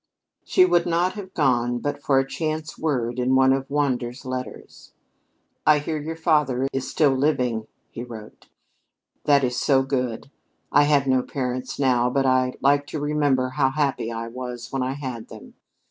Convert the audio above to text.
She would not have gone but for a chance word in one of Wander's letters. "I hear your father is still living," he wrote. "That is so good! I have no parents now, but I like to remember how happy I was when I had them.